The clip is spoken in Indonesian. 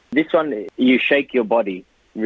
ini kamu menggoyangkan badanmu